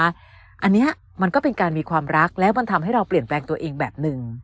อันนี้มันก็เป็นการมีความรักแล้วมันทำให้เราเปลี่ยนแปลงตัวเองแบบหนึ่ง